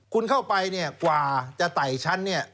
คุณเข้าไปเนี่ยกว่าจะไต่ชั้นเนี่ย